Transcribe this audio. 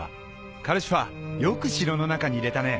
カルシファーよく城の中に入れたね。